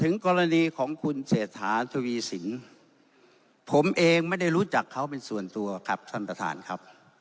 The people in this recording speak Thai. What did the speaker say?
กรณีของคุณเศรษฐาทวีสินผมเองไม่ได้รู้จักเขาเป็นส่วนตัวครับท่านประธานครับ